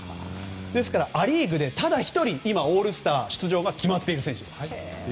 ですから、ア・リーグでただ１人今、オールスター出場が決まっている選手です。